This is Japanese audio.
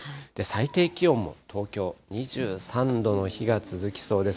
最低気温も東京２３度の日が続きそうです。